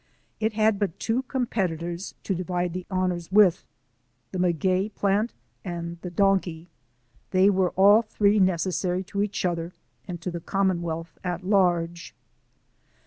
It had but two competitors to divide the honors with — the maguey plant and the donkey. They were all three necessary to each other and to the commonwealth at large.